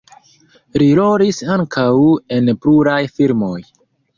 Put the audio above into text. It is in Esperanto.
Li rolis ankaŭ en pluraj filmoj.